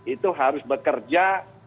itu harus bekerja